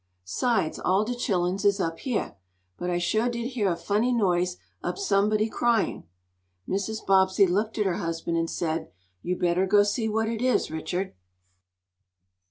'Sides, all de chilluns is up heah. But I shuah did heah a funny noise ob somebody cryin'!" Mrs. Bobbsey looked at her husband and said: "You'd better go see what it is, Richard."